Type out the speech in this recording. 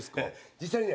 実際にね